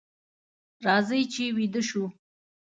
راځئ چې ویده شو.